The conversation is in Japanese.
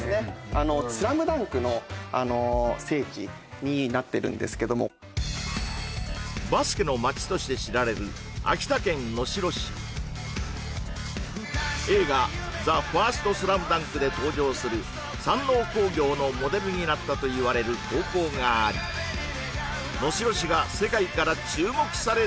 あの「ＳＬＡＭＤＵＮＫ」のあの聖地になってるんですけどもバスケの街として知られる秋田県能代市映画「ＴＨＥＦＩＲＳＴＳＬＡＭＤＵＮＫ」で登場する山王工業のモデルになったといわれる高校がありすごいわね